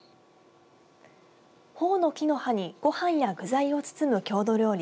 ホオの木の葉にご飯や具材を包む郷土料理